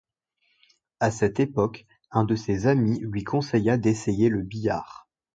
À cette époque, un de ses amis lui conseilla d'essayer le billard.